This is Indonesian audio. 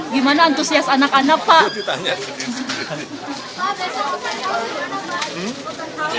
gimana antusias anak anak pak